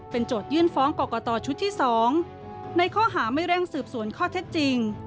โจทยื่นฟ้องกรกตชุดที่๒ในข้อหาไม่เร่งสืบสวนข้อเท็จจริง